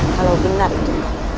kalau benar itu